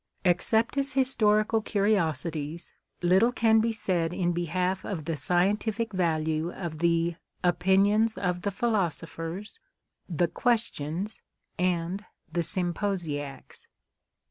Except as historical curiosities, little can be said in behalf of the scientific value of the " Opinions of the Philosophers," the " Questions," and the " Symposiacs."